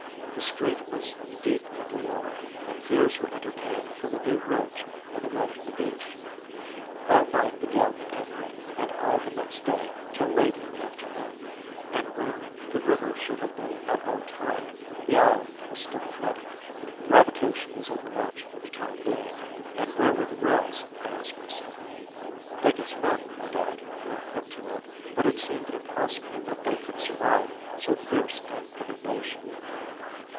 The street was deep under water, and fears were entertained for the new bridge and the road to the beach. All night the gale continued, and all the next day till late in the afternoon; and when the river should have been at low tide, the island was still flooded. Gravitation was overmatched for the time being. And where were the rails, I asked myself. They could swim, no doubt, when put to it, but it seemed impossible that they could survive so fierce an inundation.